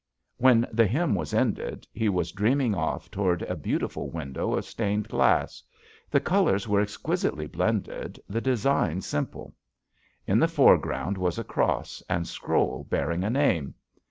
When the hymn was ended, he was dream ing off toward a beautiful window of stained glass. The colors were exquisitely blended, the design simple. In the foreground was a cross and scroll bearing a name.